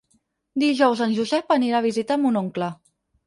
Dijous en Josep anirà a visitar mon oncle.